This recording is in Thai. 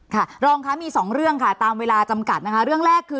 รองค่ะมีสองเรื่องค่ะตามเวลาจำกัดนะคะเรื่องแรกคือ